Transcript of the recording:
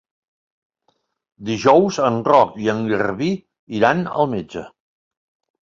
Dijous en Roc i en Garbí iran al metge.